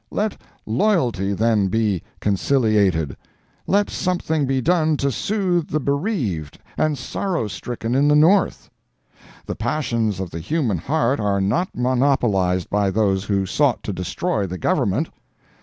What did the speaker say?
Let loyalty then be conciliated. Let something be done to soothe the bereaved and sorrow stricken in the North. The passions of the human heart are not monopolized by those who sought to destroy the Government.